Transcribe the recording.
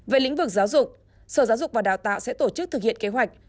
về lĩnh vực giáo dục sở giáo dục và đào tạo sẽ tổ chức thực hiện kế hoạch